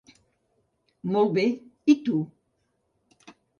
“Molt bé, i tu?